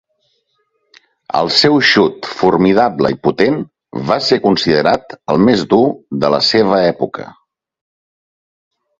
El seu xut formidable i potent va ser considerat el més dur de la seva època.